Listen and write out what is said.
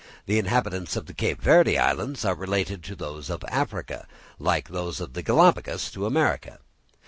The inhabitants of the Cape Verde Islands are related to those of Africa, like those of the Galapagos to America.